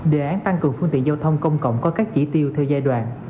đề án tăng cường phương tiện giao thông công cộng có các chỉ tiêu theo giai đoạn